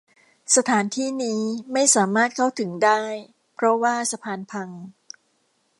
สถานที่นี้ไม่สามารถเข้าถึงได้เพราะว่าสะพานพัง